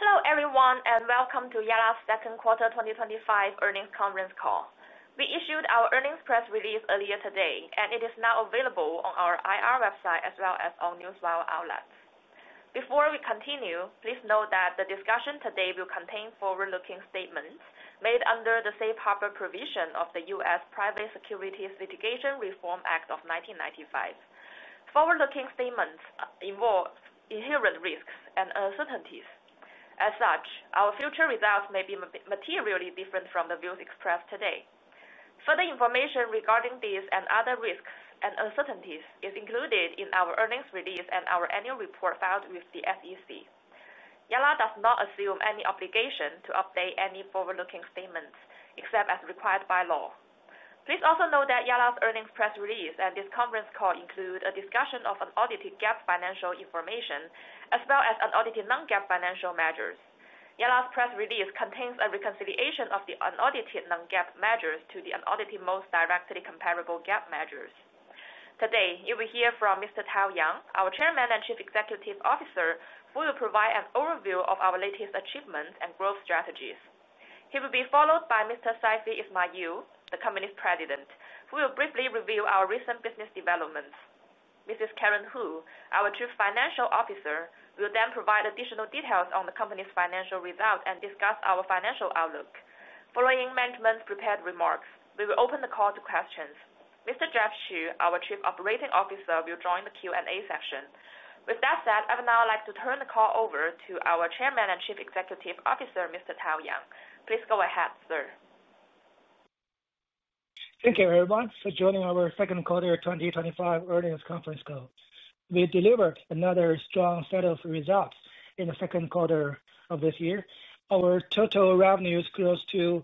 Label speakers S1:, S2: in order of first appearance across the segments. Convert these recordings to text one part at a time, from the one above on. S1: Hello everyone, and welcome to Yalla's Second Quarter 2025 Earnings Conference Call. We issued our earnings press release earlier today, and it is now available on our IR website as well as all newsletter outlets. Before we continue, please note that the discussion today will contain forward-looking statements made under the safe harbor provision of the U.S. Private Securities Litigation Reform Act of 1995. Forward-looking statements involve inherent risks and uncertainties. As such, our future results may be materially different from the views expressed today. Further information regarding these and other risks and uncertainties is included in our earnings release and our annual report filed with the SEC. Yalla does not assume any obligation to update any forward-looking statements except as required by law. Please also note that Yallas earnings press release and this conference call include a discussion of unaudited GAAP financial information as well as unaudited non-GAAP financial measures. Yalla's press release contains a reconciliation of the unaudited non-GAAP measures to the unaudited most directly comparable GAAP measures. Today, you will hear from Mr. Tao Yang, our Chairman and Chief Executive Officer, who will provide an overview of our latest achievements and growth strategies. He will be followed by Mr. Saifi Ismail, the company's President, who will briefly reveal our recent business developments. Mrs. Karen Hu, our Chief Financial Officer, will then provide additional details on the company's financial results and discuss our financial outlook. Following management's prepared remarks, we will open the call to questions. Mr. Jeff Xu, our Chief Operating Officer, will join the Q&A session. With that said, I would now like to turn the call over to our Chairman and Chief Executive Officer, Mr. Tao Yang. Please go ahead, sir.
S2: Thank you everyone for joining our Second Quarter 2025 Earnings Conference Call. We delivered another strong set of results in the second quarter of this year. Our total revenue is close to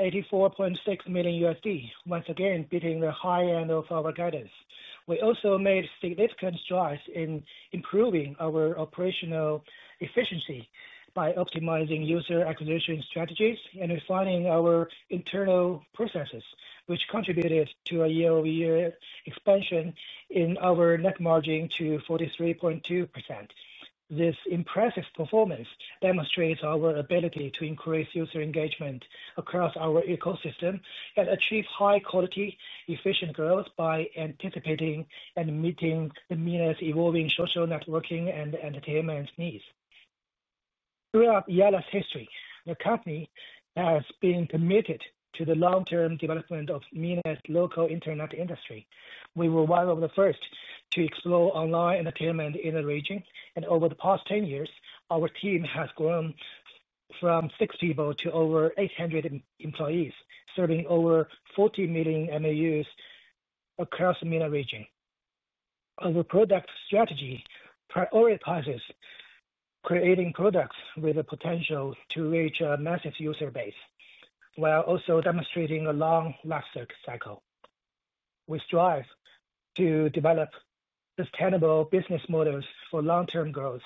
S2: $84.6 million, once again beating the high end of our guidance. We also made significant strides in improving our operational efficiency by optimizing user acquisition strategies and refining our internal processes, which contributed to a year-over-year expansion in our net margin to 43.2%. This impressive performance demonstrates our ability to increase user engagement across our ecosystem and achieve high-quality, efficient growth by anticipating and meeting the MENA's evolving social networking and entertainment needs. Throughout Yalla 's history, the company has been committed to the long-term development of the MENA's local internet industry. We were one of the first to explore online entertainment in the region, and over the past 10 years, our team has grown from six people to over 800 employees, serving over 40 million MAUs across the MENA region. Our product strategy prioritizes creating products with the potential to reach a massive user base, while also demonstrating a long lifecycle. We strive to develop sustainable business models for long-term growth,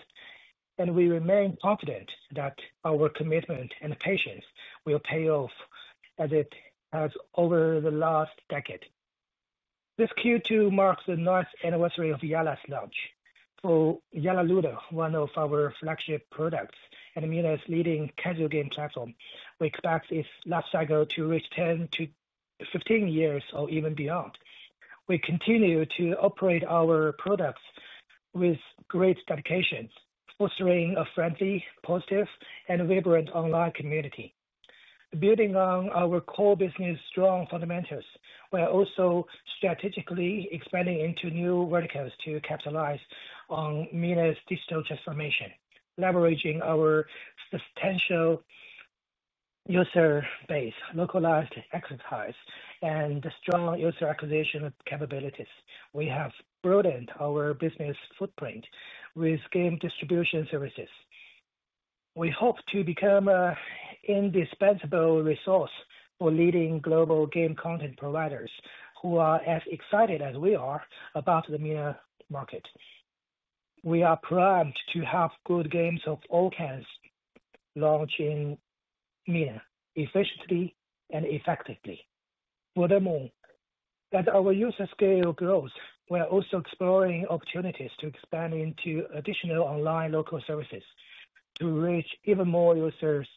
S2: and we remain confident that our commitment and patience will pay off, as it has over the last decade. This Q2 marks the ninth anniversary of Yalla's launch. For Yalla Ludo, one of our flagship products and the MENA's leading casual game platform, we expect its lifecycle to reach 10-15 years or even beyond. We continue to operate our products with great dedication, fostering a friendly, positive, and vibrant online community. Building on our core business's strong fundamentals, we are also strategically expanding into new verticals to capitalize on the MENA's digital transformation, leveraging our substantial user base, localized expertise, and strong user acquisition capabilities. We have broadened our business footprint with game distribution services. We hope to become an indispensable resource for leading global game content providers who are as excited as we are about the MENA market. We are primed to have good games of all kinds launched in the MENA efficiently and effectively. Furthermore, as our user scale grows, we are also exploring opportunities to expand into additional online local services to reach even more users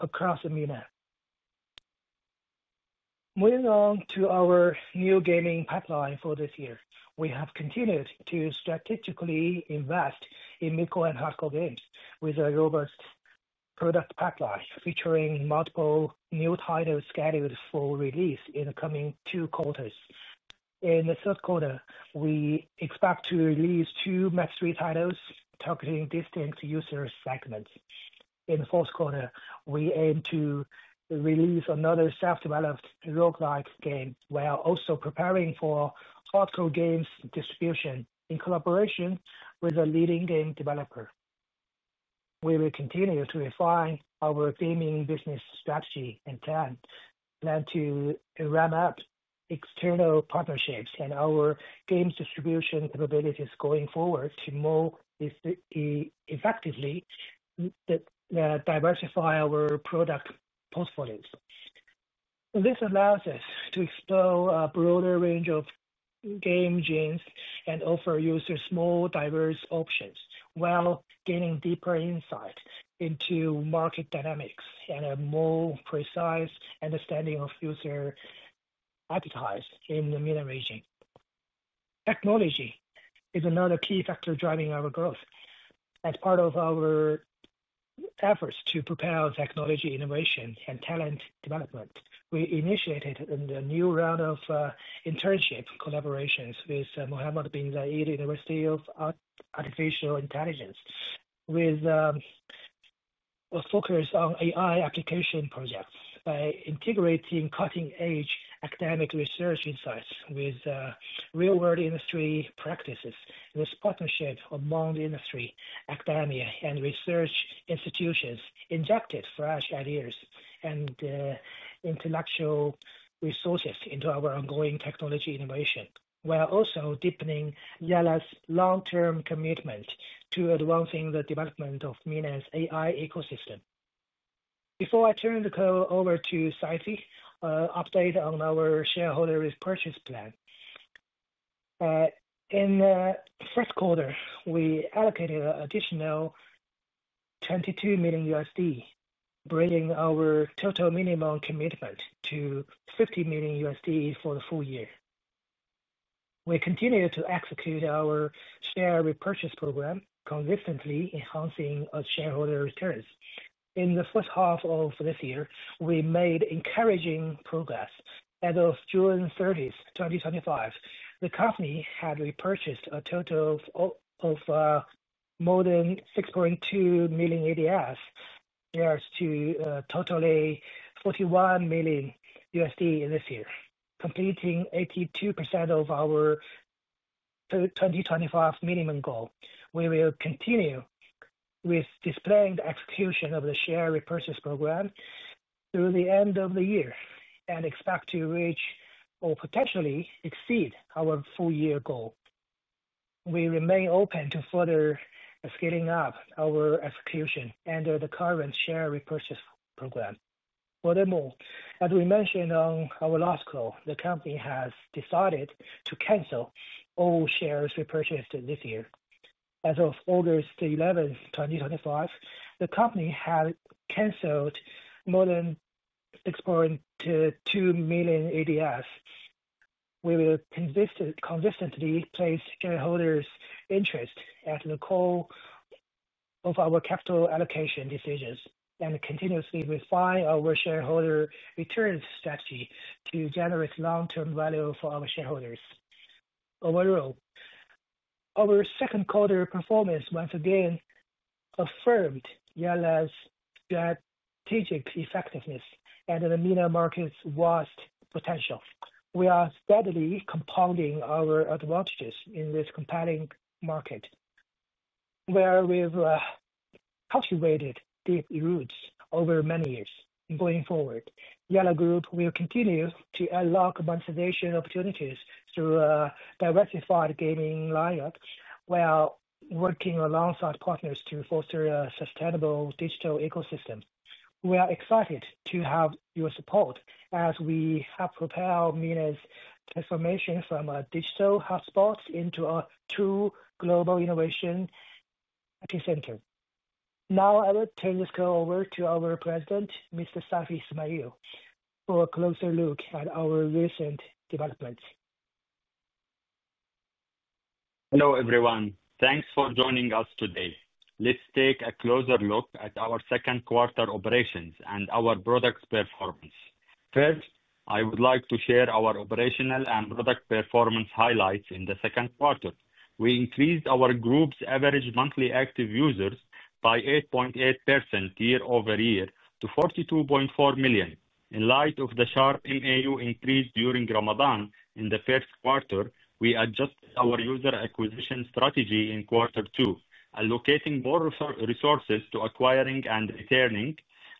S2: across the MENA. Moving on to our new gaming pipeline for this year, we have continued to strategically invest in mid-core and hardcore games with a robust product pipeline featuring multiple new titles scheduled for release in the coming two quarters. In the third quarter, we expect to release two match-3 titles targeting distinct user segments. In the fourth quarter, we aim to release another self-developed rogue-like game, while also preparing for hardcore games distribution in collaboration with a leading game developer. We will continue to refine our gaming business strategy and plan to ramp up external partnerships and our game distribution capabilities going forward to more effectively diversify our product portfolios. This allows us to explore a broader range of game genres and offer users more diverse options while gaining deeper insight into market dynamics and a more precise understanding of user appetites in the MENA region. Technology is another key factor driving our growth. As part of our efforts to propel technology innovation and talent development, we initiated a new round of internship collaborations with Mohammed bin Zayed University of Artificial Intelligence with a focus on AI application projects. By integrating cutting-edge academic research insights with real-world industry practices, this partnership among industry, academia, and research institutions injected fresh ideas and intellectual resources into our ongoing technology innovation, while also deepening Yalla's long-term commitment to advancing the development of MENA's AI ecosystem. Before I turn the call over to Saifi, an update on our share repurchase plan. In the first quarter, we allocated an additional $22 million, bringing our total minimum commitment to $50 million for the full year. We continue to execute our share repurchase program, consistently enhancing shareholder returns. In the first half of this year, we made encouraging progress. As of June 30th, 2025, the company had repurchased a total of more than 6.2 million ADSs to a total of $41 million in this year, completing 82% of our 2025 minimum goal. We will continue with displaying the execution of the share repurchase program through the end of the year and expect to reach or potentially exceed our full-year goal. We remain open to further scaling up our execution under the current share repurchase program. Furthermore, as we mentioned on our last call, the company has decided to cancel all shares repurchased this year. As of August 11th, 2025, the company had canceled more than 6.2 million ADSs. We will consistently place shareholders' interests at the core of our capital allocation decisions and continuously refine our capital return strategy to generate long-term value for our shareholders. Overall, our second quarter performance once again affirmed Yalla's strategic effectiveness and the MENA market's vast potential. We are steadily compounding our advantages in this compelling market, where we've cultivated deep roots over many years. Going forward, will continue to unlock monetization opportunities through a diversified gaming lineup while working alongside partners to foster a sustainable digital ecosystem. We are excited to have your support as we help propel the MENA's transformation from a digital hotspot into a true global innovation epicenter. Now, I would turn this call over to our President, Mr. Saifi Ismail, for a closer look at our recent developments.
S3: Hello, everyone. Thanks for joining us today. Let's take a closer look at our second quarter operations and our product performance. First, I would like to share our operational and product performance highlights in the second quarter. We increased our group's average monthly active users by 8.8% year-over-year to 42.4 million. In light of the sharp MAU increase during Ramadan in the first quarter, we adjusted our user acquisition strategy in quarter two, allocating more resources to acquiring and returning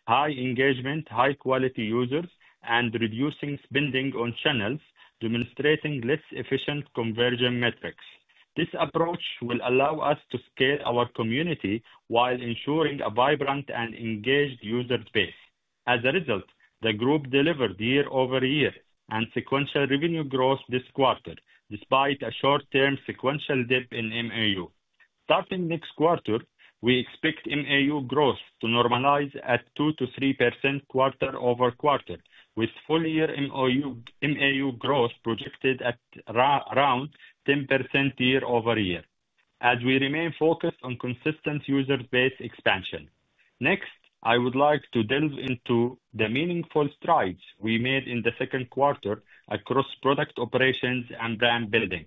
S3: high engagement, high-quality users, and reducing spending on channels, demonstrating less efficient conversion metrics. This approach will allow us to scale our community while ensuring a vibrant and engaged user base. As a result, the group delivered year-over-year and sequential revenue growth this quarter, despite a short-term sequential dip in MAU. Starting next quarter, we expect MAU growth to normalize at 2%-3% quarter-over-quarter, with full-year MAU growth projected at around 10% year-over-year, as we remain focused on consistent user base expansion. Next, I would like to delve into the meaningful strides we made in the second quarter across product operations and brand building.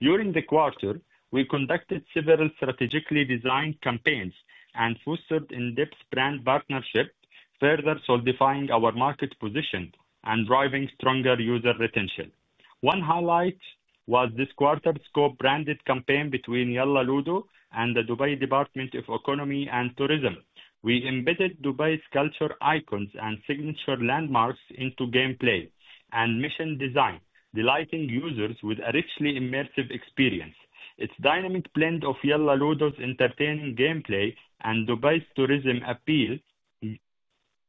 S3: During the quarter, we conducted several strategically designed campaigns and fostered in-depth brand partnerships, further solidifying our market position and driving stronger user retention. One highlight was this quarter's co-branded campaign between Yalla Ludo and the Dubai Department of Economy and Tourism. We embedded Dubai's culture icons and signature landmarks into gameplay and mission design, delighting users with a richly immersive experience. Its dynamic blend of Yalla Ludo's entertaining gameplay and Dubai's tourism appeal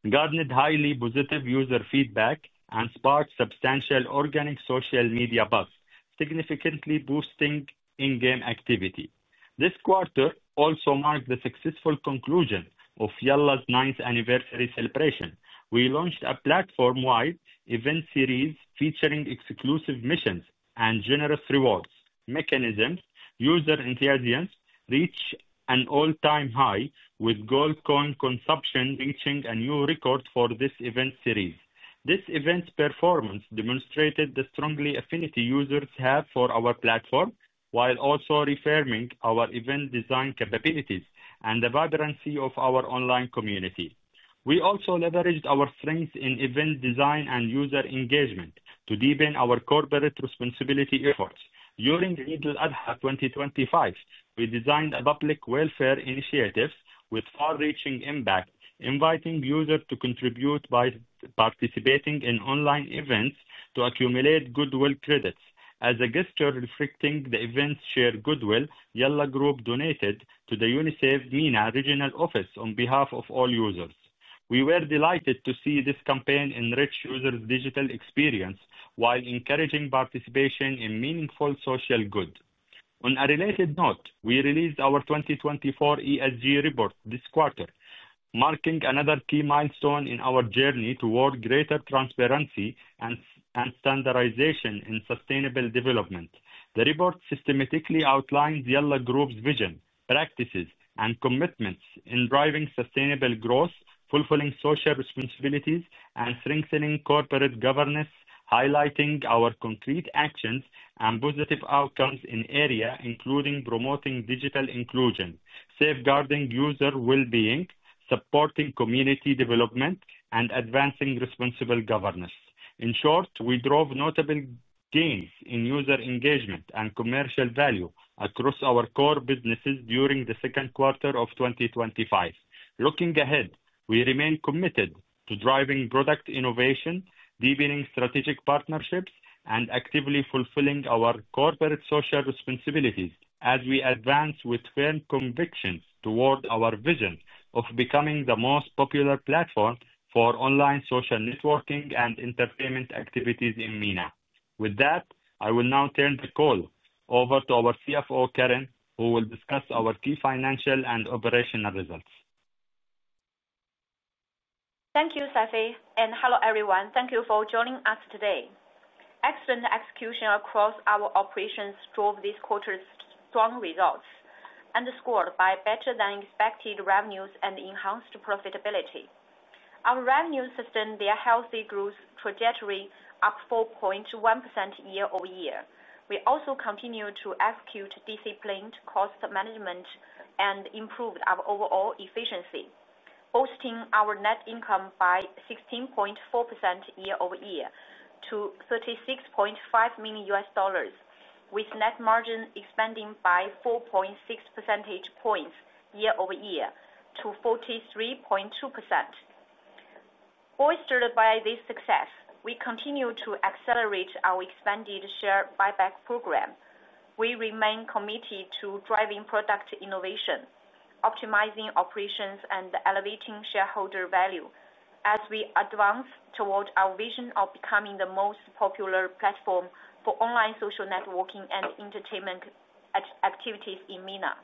S3: garnered highly positive user feedback and sparked substantial organic social media buzz, significantly boosting in-game activity. This quarter also marked the successful conclusion of Yalla's ninth anniversary celebration. We launched a platform-wide event series featuring exclusive missions and generous rewards. Mechanism user enthusiasm reached an all-time high, with gold coin consumption reaching a new record for this event series. This event's performance demonstrated the strong affinity users have for our platform, while also affirming our event design capabilities and the vibrancy of our online community. We also leveraged our strengths in event design and user engagement to deepen our corporate responsibility efforts. During Eid al-Adha 2025, we designed a public welfare initiative with far-reaching impact, inviting users to contribute by participating in online events to accumulate goodwill credits. As a gesture reflecting the event's shared goodwill, donated to the UNICEF MENA Regional Office on behalf of all users. We were delighted to see this campaign enrich users' digital experience while encouraging participation in meaningful social good. On a related note, we released our 2024 ESG report this quarter, marking another key milestone in our journey toward greater transparency and standardization in sustainable development. The report systematically outlines Yalla Group's vision, practices, and commitments in driving sustainable growth, fulfilling social responsibilities, and strengthening corporate governance, highlighting our concrete actions and positive outcomes in areas including promoting digital inclusion, safeguarding user well-being, supporting community development, and advancing responsible governance. In short, we drove notable gains in user engagement and commercial value across our core businesses during the second quarter of 2025. Looking ahead, we remain committed to driving product innovation, deepening strategic partnerships, and actively fulfilling our corporate social responsibilities as we advance with firm convictions toward our vision of becoming the most popular platform for online social networking and entertainment activities in MENA. With that, I will now turn the call over to our CFO, Karen, who will discuss our key financial and operational results.
S4: Thank you, Saifi, and hello everyone. Thank you for joining us today. Excellent execution across our operations drove this quarter's strong results, underscored by better-than-expected revenues and enhanced profitability. Our revenue system had a healthy growth trajectory of 4.1% year-over-year. We also continued to execute disciplined cost management and improved our overall efficiency, boosting our net income by 16.4% year-over-year to $36.5 million, with net margin expanding by 4.6 percentage points year-over-year to 43.2%. Boosted by this success, we continue to accelerate our expanded share repurchase program. We remain committed to driving product innovation, optimizing operations, and elevating shareholder value as we advance toward our vision of becoming the most popular platform for online social networking and entertainment activities in MENA.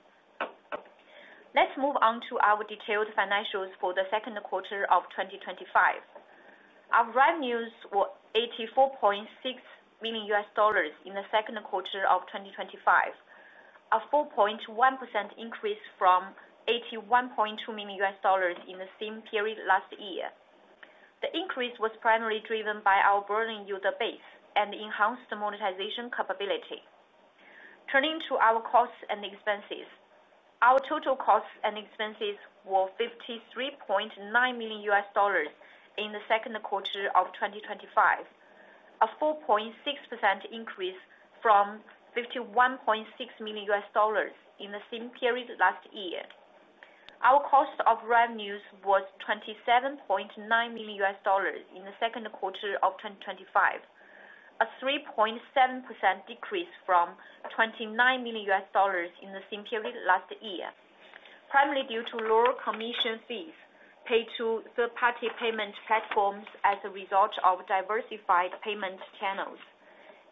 S4: Let's move on to our detailed financials for the second quarter of 2025. Our revenues were $84.6 million in the second quarter of 2025, a 4.1% increase from $81.2 million in the same period last year. The increase was primarily driven by our growing user base and enhanced monetization capability. Turning to our costs and expenses, our total costs and expenses were $53.9 million in the second quarter of 2025, a 4.6% increase from $51.6 million in the same period last year. Our cost of revenues was $27.9 million in the second quarter of 2025, a 3.7% decrease from $29 million in the same period last year, primarily due to lower commission fees paid to third-party payment platforms as a result of diversified payment channels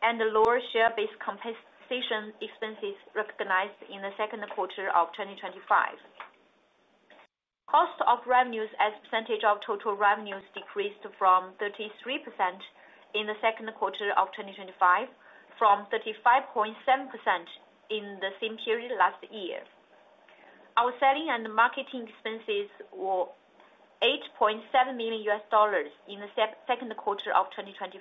S4: and lower share-based compensation expenses recognized in the second quarter of 2025. Cost of revenues as a percentage of total revenues decreased to 33% in the second quarter of 2025 from 35.7% in the same period last year. Our selling and marketing expenses were $8.7 million in the second quarter of 2025,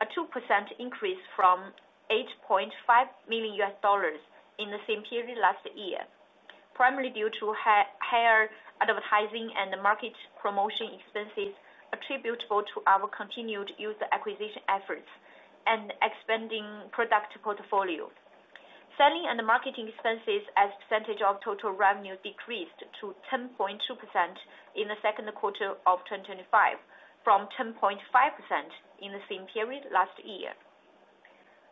S4: a 2% increase from $8.5 million in the same period last year, primarily due to higher advertising and market promotion expenses attributable to our continued user acquisition efforts and expanding product portfolio. Selling and marketing expenses as a percentage of total revenue decreased to 10.2% in the second quarter of 2025 from 10.5% in the same period last year.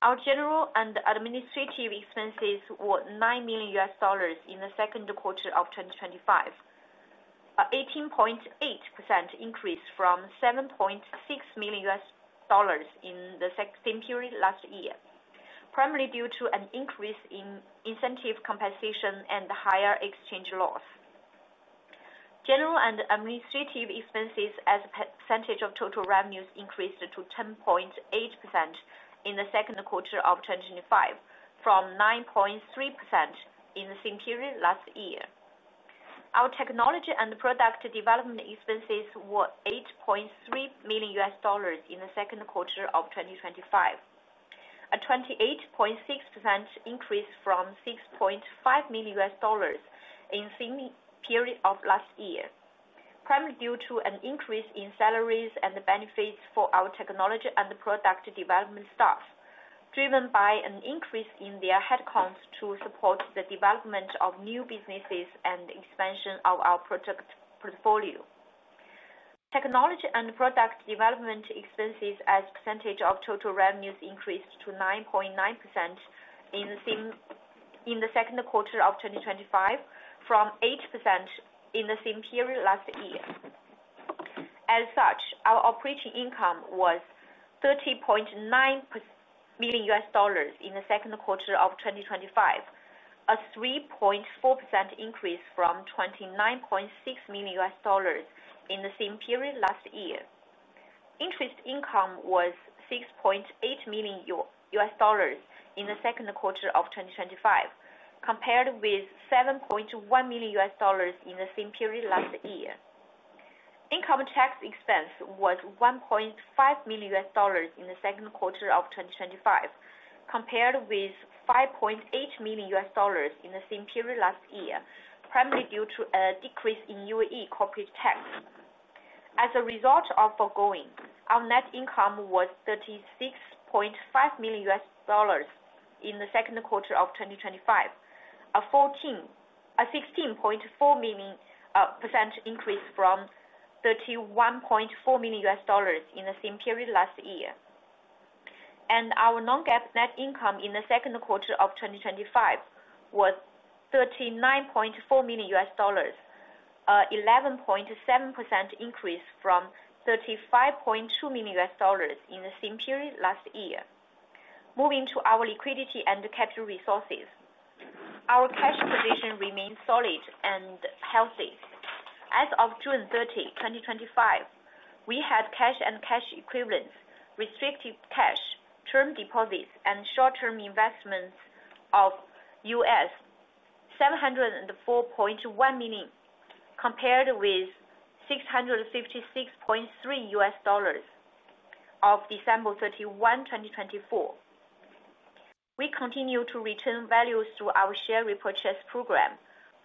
S4: Our general and administrative expenses were $9 million in the second quarter of 2025, an 18.8% increase from $7.6 million in the same period last year, primarily due to an increase in incentive compensation and higher exchange loss. General and administrative expenses as a percentage of total revenues increased to 10.8% in the second quarter of 2025 from 9.3% in the same period last year. Our technology and product development expenses were $8.3 million in the second quarter of 2025, a 28.6% increase from $6.5 million in the same period last year, primarily due to an increase in salaries and benefits for our technology and product development staff, driven by an increase in their headcount to support the development of new businesses and expansion of our product portfolio. Technology and product development expenses as a percentage of total revenues increased to 9.9% in the second quarter of 2025 from 8% in the same period last year. As such, our operating income was $30.9 million in the second quarter of 2025, a 3.4% increase from $29.6 million in the same period last year. Interest income was $6.8 million in the second quarter of 2025, compared with $7.1 million in the same period last year. Income tax expense was $1.5 million in the second quarter of 2025, compared with $5.8 million in the same period last year, primarily due to a decrease in UAE corporate tax. As a result of the foregoing, our net income was $36.5 million in the second quarter of 2025, a 16.4% increase from $31.4 million in the same period last year. Our non-GAAP net income in the second quarter of 2025 was $39.4 million, an 11.7% increase from $35.2 million in the same period last year. Moving to our liquidity and capital resources, our cash position remained solid and healthy. As of June 30, 2025, we had cash and cash equivalents, restricted cash, term deposits, and short-term investments of $704.1 million, compared with $656.3 million as of December 31, 2024. We continue to return value through our share repurchase program,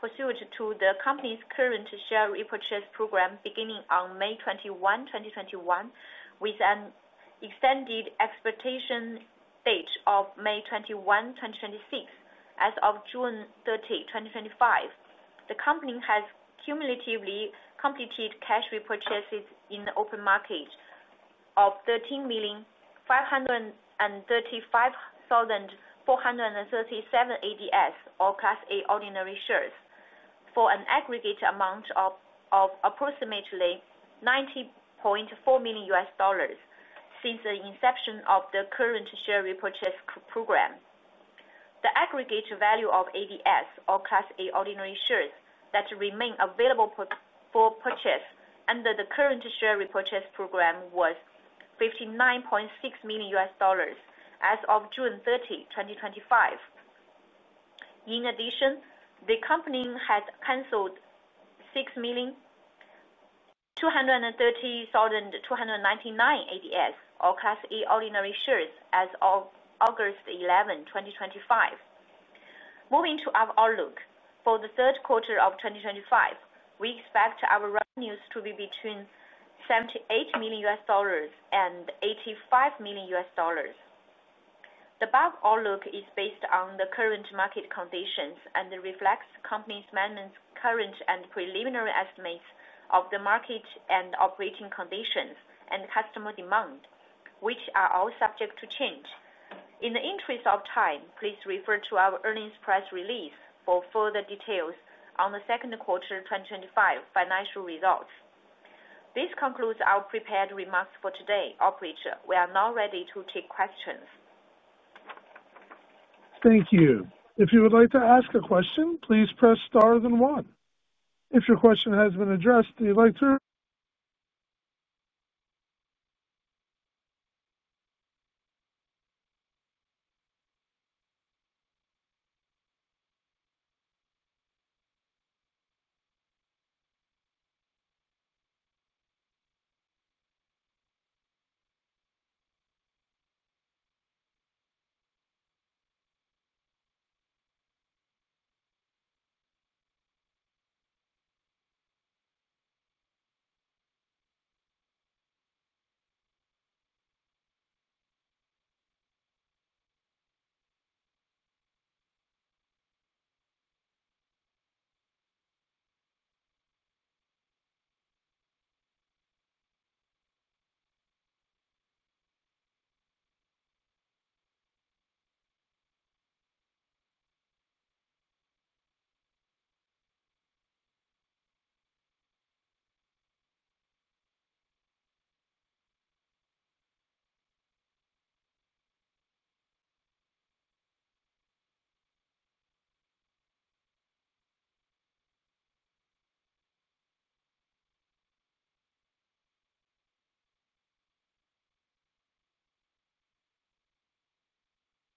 S4: pursuant to the company's current share repurchase program beginning on May 21, 2021, with an extended expectation date of May 21, 2026. As of June 30, 2025, the company has cumulatively completed cash repurchases in the open market of 13,535,437 ADSs, or Class A ordinary shares, for an aggregate amount of approximately $90.4 million since the inception of the current share repurchase program. The aggregate value of ADSs, or Class A ordinary shares, that remain available for purchase under the current share repurchase program was $59.6 million as of June 30, 2025. In addition, the company had canceled 6,230,299 ADSs, or Class A ordinary shares, as of August 11, 2025. Moving to our outlook for the third quarter of 2025, we expect our revenues to be between $78 million and $85 million. The above outlook is based on the current market conditions and reflects company management's current and preliminary estimates of the market and operating conditions and customer demand, which are all subject to change. In the interest of time, please refer to our earnings press release for further details on the second quater 2025 financial results. This conlcudes our prepared remarks for today. Operator, we are now ready to take questions.
S5: Thank you. If you would like to ask a question, please press star then one. If your question has been addressed, the electoral...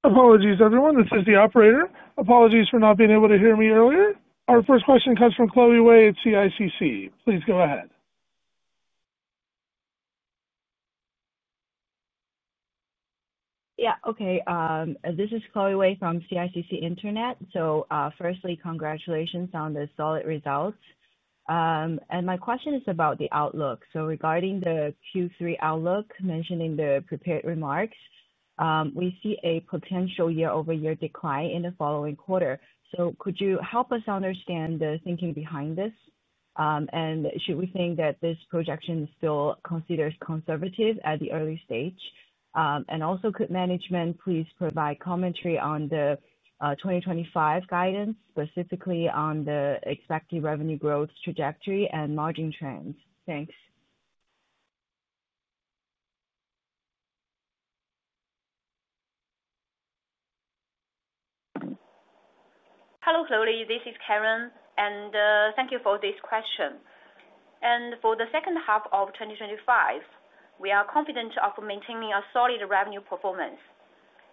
S5: Apologies, everyone. This is the operator. Apologies for not being able to hear me earlier. Our first question comes from Chloe Wei at CICC. Please go ahead.
S6: Yeah, okay. This is Chloe Wei from CICC Internet. Firstly, congratulations on the solid results. My question is about the outlook. Regarding the Q3 outlook, mentioned in the prepared remarks, we see a potential year-over-year decline in the following quarter. Could you help us understand the thinking behind this? Should we think that this projection is still considered conservative at the early stage? Also, could management please provide commentary on the 2025 guidance, specifically on the expected revenue growth trajectory and margin trends? Thanks.
S4: Hello, Chloe. This is Karen. Thank you for this question. For the second half of 2025, we are confident of maintaining a solid revenue performance.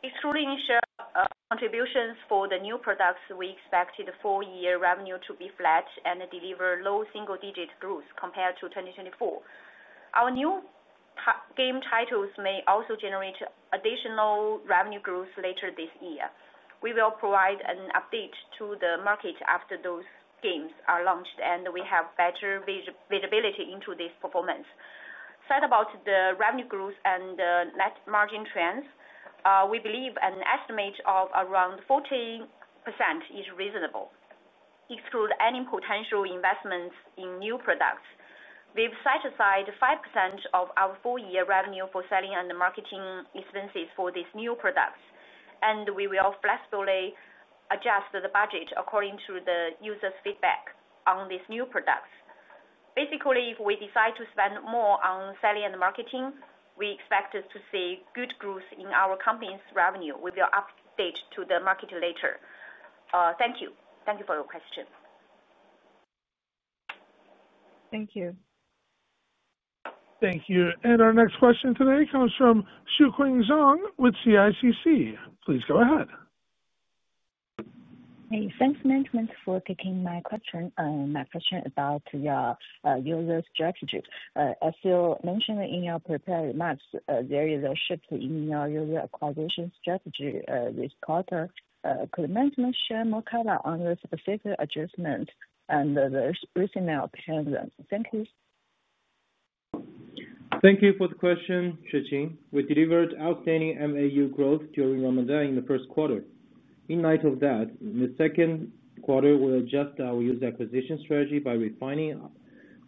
S4: Excluding share contributions for the new products, we expect the full-year revenue to be flat and deliver low single-digit growth compared to 2024. Our new game titles may also generate additional revenue growth later this year. We will provide an update to the market after those games are launched, and we have better visibility into this performance. Regarding the revenue growth and net margin trends, we believe an estimate of around 14% is reasonable, excluding any potential investments in new products. We've set aside 5% of our full-year revenue for selling and marketing expenses for these new products, and we will flexibly adjust the budget according to the users' feedback on these new products. Basically, if we decide to spend more on selling and marketing, we expect to see good growth in our company's revenue. We will update the market later. Thank you. Thank you for your question.
S6: Thank you.
S5: Thank you. Our next question today comes from Xueqing Zhang with CICC. Please go ahead.
S7: Hey, thanks, management, for taking my question about your user strategy. As you mentioned in your prepared remarks, there is a shift in your user acquisition strategy this quarter. Could management share more color on your specific adjustment and the reasonable pending? Thank you.
S8: Thank you for the question, Xueqing. We delivered outstanding MAU growth during Ramadan in the first quarter. In light of that, in the second quarter, we adjusted our user acquisition strategy by refining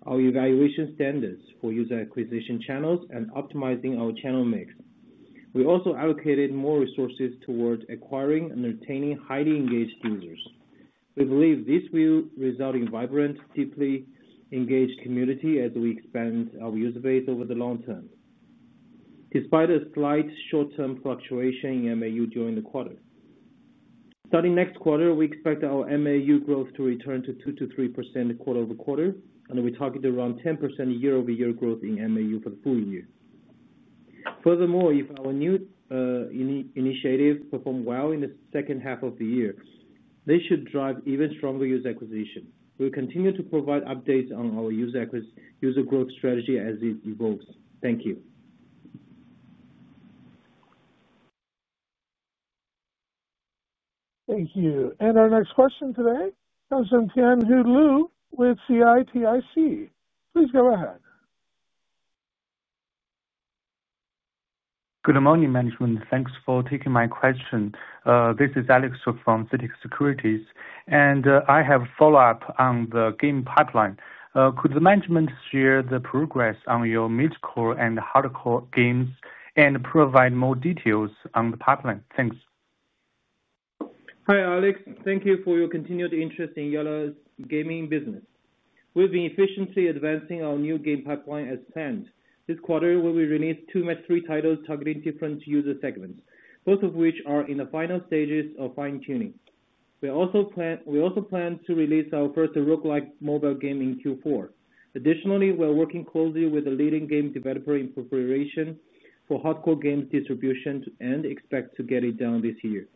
S8: our evaluation standards for user acquisition channels and optimizing our channel mix. We also allocated more resources toward acquiring and retaining highly engaged users. We believe this will result in a vibrant, deeply engaged community as we expand our user base over the long term, despite a slight short-term fluctuation in MAU during the quarter. Starting next quarter, we expect our MAU growth to return to 2%-3% quarter-over-quarter, and we're talking around 10% year-over-year growth in MAU for the full year. Furthermore, if our new initiatives perform well in the second half of the year, they should drive even stronger user acquisition. We'll continue to provide updates on our user growth strategy as it evolves. Thank you.
S5: Thank you. Our next question today comes from Tianhao Liu with CITIC. Please go ahead.
S9: Good morning, management. Thanks for taking my question. This is Alex from CITIC Securities. I have a follow-up on the game pipeline. Could the management share the progress on your mid-core and hardcore games and provide more details on the pipeline? Thanks.
S8: Hi, Alex. Thank you for your continued interest in Yalla's gaming business. We've been efficiently advancing our new game pipeline as planned. This quarter, we will release two match-3 titles targeting different user segments, both of which are in the final stages of fine-tuning. We also plan to release our first rogue-like mobile game in Q4. Additionally, we're working closely with the leading game developer in preparation for hardcore games distribution and expect to get it done this year.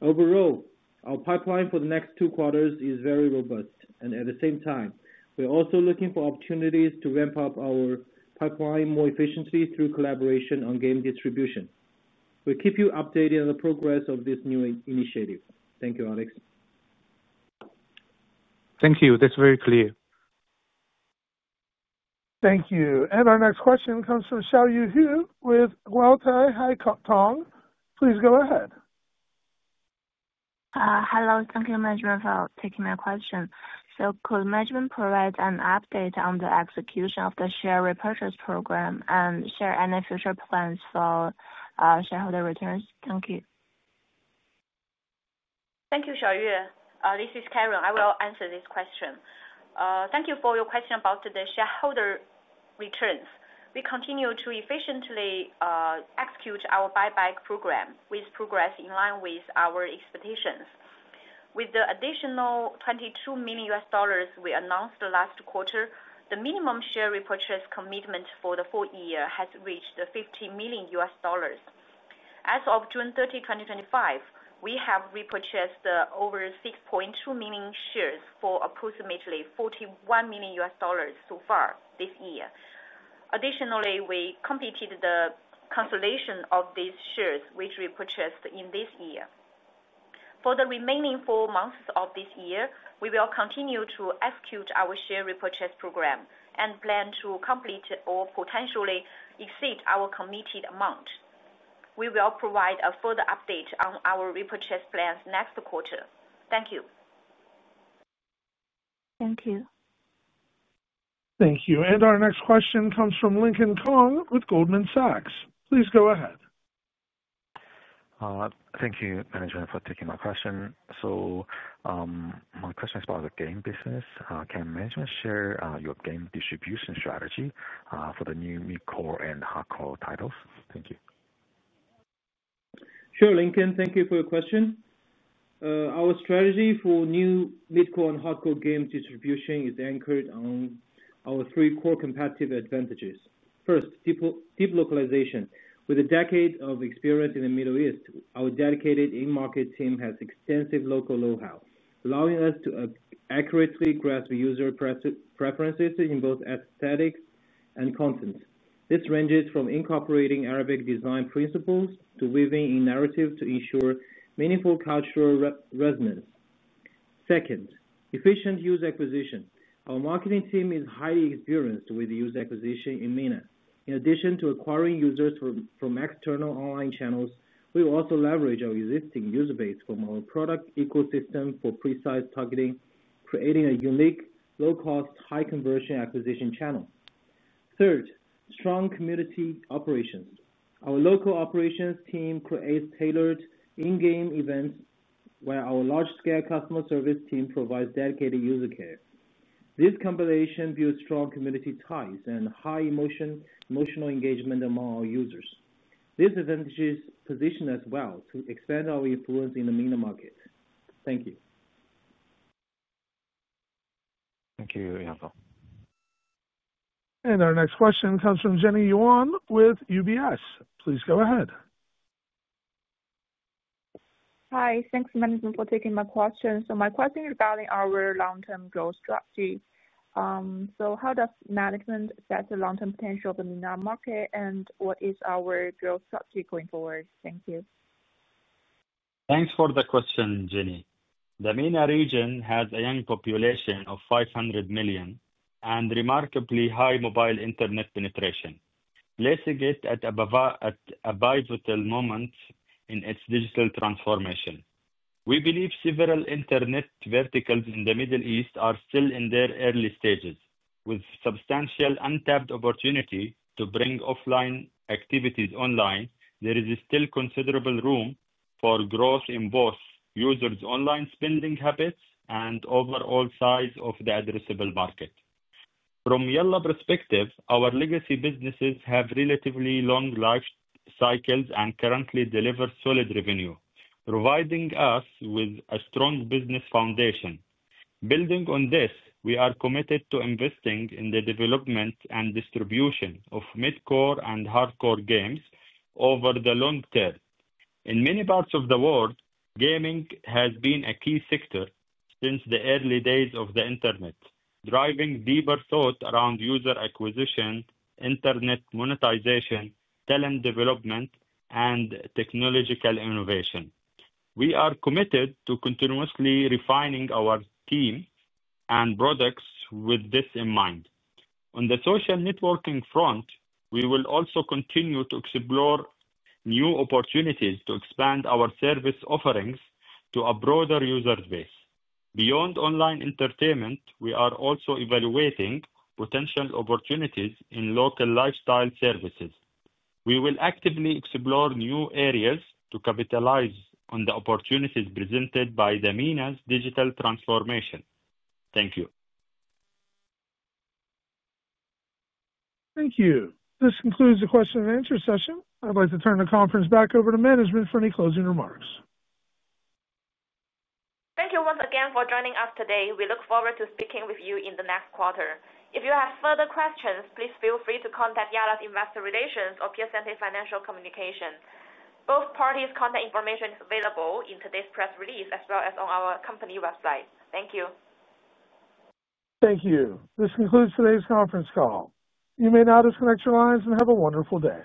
S8: Overall, our pipeline for the next two quarters is very robust. At the same time, we're also looking for opportunities to ramp up our pipeline more efficiently through collaboration on game distribution. We'll keep you updated on the progress of this new initiative. Thank you, Alex.
S9: Thank you. That's very clear.
S5: Thank you. Our next question comes from Xiaoyue Hu with Guotai Haitong. Please go ahead.
S10: Hello. Thank you, management, for taking my question. Could management provide an update on the execution of the share repurchase program and share any future plans for shareholder returns? Thank you.
S4: Thank you, Xiaoyue. This is Karen. I will answer this question. Thank you for your question about the shareholder returns. We continue to efficiently execute our buyback program with progress in line with our expectations. With the additional $22 million we announced last quarter, the minimum share repurchase commitment for the full year has reached $50 million. As of June 30, 2025, we have repurchased over 6.2 million shares for approximately $41 million so far this year. Additionally, we completed the cancellation of these shares, which we purchased in this year. For the remaining four months of this year, we will continue to execute our share repurchase program and plan to complete or potentially exceed our committed amount. We will provide a further update on our repurchase plans next quarter. Thank you.
S10: Thank you.
S5: Thank you. Our next question comes from Lincoln Kong with Goldman Sachs. Please go ahead.
S11: Thank you, management, for taking my question. My question is about the game business. Can management share your game distribution strategy for the new mid-core and hardcore titles? Thank you.
S8: Sure, Lincoln. Thank you for your question. Our strategy for new mid-core and hardcore game distribution is anchored on our three core competitive advantages. First, deep localization. With a decade of experience in the Middle East, our dedicated in-market team has extensive local know-how, allowing us to accurately grasp user preferences in both aesthetics and content. This ranges from incorporating Arabic design principles to weaving in narratives to ensure meaningful cultural resonance. Second, efficient user acquisition. Our marketing team is highly experienced with user acquisition in MENA. In addition to acquiring users from external online channels, we also leverage our existing user base from our product ecosystem for precise targeting, creating a unique, low-cost, high-conversion acquisition channel. Third, strong community operations. Our local operations team creates tailored in-game events, while our large-scale customer service team provides dedicated user care. This combination builds strong community ties and high emotional engagement among our users. This advantageous position allows us to expand our influence in the MENA market. Thank you.
S11: Thank you. Very helpful.
S5: Our next question comes from Jenny Yuan with UBS. Please go ahead.
S12: Hi. Thanks, management, for taking my question. My question is about our long-term growth strategy. How does management assess the long-term potential of the MENA market and what is our growth strategy going forward? Thank you.
S3: Thanks for the question, Jenny. The MENA region has a young population of 500 million and remarkably high mobile internet penetration, placing it at a bifocal moment in its digital transformation. We believe several Internet verticals in the Middle East are still in their early stages. With substantial untapped opportunity to bring offline activities online, there is still considerable room for growth in both users' online spending habits and overall size of the addressable market. From Yalla's perspective, our legacy businesses have relatively long life cycles and currently deliver solid revenue, providing us with a strong business foundation. Building on this, we are committed to investing in the development and distribution of mid-core and hardcore games over the long term. In many parts of the world, gaming has been a key sector since the early days of the Internet, driving deeper thought around user acquisition, Internet monetization, talent development, and technological innovation. We are committed to continuously refining our team and products with this in mind. On the social networking front, we will also continue to explore new opportunities to expand our service offerings to a broader user base. Beyond online entertainment, we are also evaluating potential opportunities in local lifestyle services. We will actively explore new areas to capitalize on the opportunities presented by the MENA's digital transformation. Thank you.
S5: Thank you. This concludes the question and answer session. I'd like to turn the conference back over to management for any closing remarks.
S1: Thank you once again for joining us today. We look forward to speaking with you in the next quarter. If you have further questions, please feel free to contact Yalla's Investor Relations or Piacente Financial Communications. Both parties' contact information is available in today's press release as well as on our company website. Thank you.
S5: Thank you. This concludes today's conference call. You may now disconnect your lines and have a wonderful day.